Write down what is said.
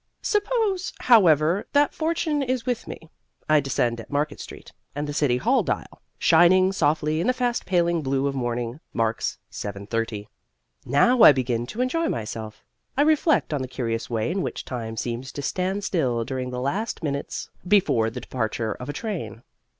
Suppose, however, that fortune is with me. I descend at Market Street, and the City Hall dial, shining softly in the fast paling blue of morning, marks 7:30. Now I begin to enjoy myself. I reflect on the curious way in which time seems to stand still during the last minutes before the departure of a train.